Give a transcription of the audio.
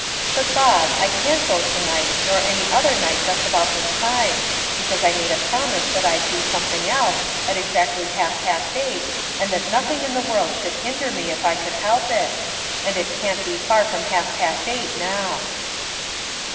But, Bob, I can't go to night, nor any other night just about this time; because I made a promise that I'd do something else, at exactly half past eight, and that nothing in the world should hinder me if I could help it; and it can't be far from half past eight now."